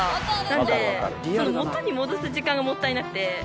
なので元に戻す時間がもったいなくて。